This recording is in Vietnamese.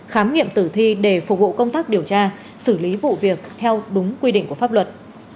khám nghiệm tử thi để phục vụ công tác điều tra xử lý vụ việc theo đúng quy định của pháp luật